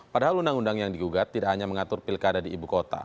padahal undang undang yang digugat tidak hanya mengatur pilkada di ibu kota